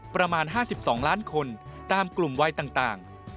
ประมาณ๕๒ล้านคนตามกลุ่มวัยต่าง